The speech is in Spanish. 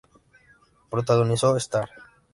Protagonizó "Star!